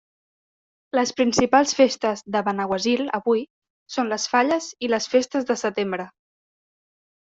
Les principals festes de Benaguasil, avui, són les Falles i les Festes de Setembre.